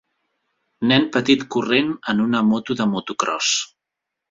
Nen petit corrent en una moto de motocròs.